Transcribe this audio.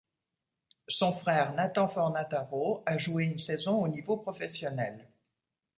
Son frère Nathan Fornataro a joué une saison au niveau professionnel.